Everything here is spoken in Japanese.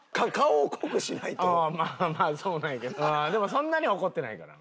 まあそうなんやけどでもそんなには怒ってないから。